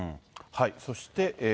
そして。